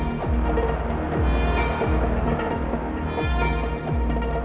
dan untuk peruntukan nomor pertama saat ditembak